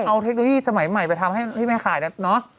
เอาเทคโนโลยีสมัยใหม่ไปทำให้ที่แม่ขายเนอะ